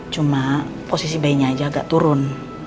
cuma posisi bayinya aja agak turun